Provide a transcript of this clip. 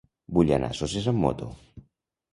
Vull anar a Soses amb moto.